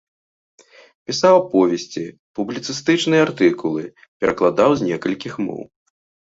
Пісаў аповесці, публіцыстычныя артыкулы, перакладаў з некалькіх моў.